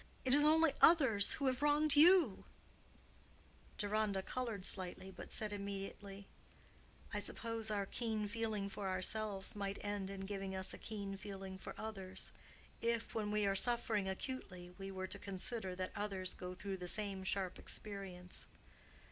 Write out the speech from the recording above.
"It is only others who have wronged you." Deronda colored slightly, but said immediately—"I suppose our keen feeling for ourselves might end in giving us a keen feeling for others, if, when we are suffering acutely, we were to consider that others go through the same sharp experience.